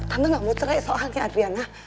kamu gak mau cerai soalnya adriana